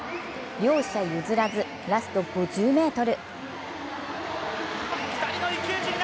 両者譲らずラスト５０ｍ。